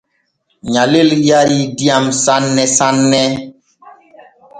Nyalel yarii diyam sanne sanne.